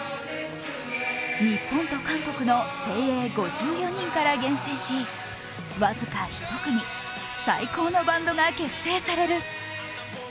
日本と韓国の精鋭５４人から厳選し僅か１組、最高のバンドが結成される。